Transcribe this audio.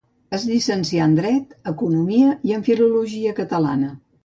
Es llicencià en dret, economia i en filologia catalana.